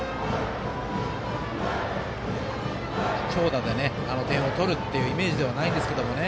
長打であの点を取るというイメージではないんですけどね。